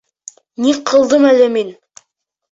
— Ни ҡылдым әле мин?